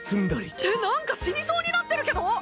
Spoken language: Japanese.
ってなんか死にそうになってるけど！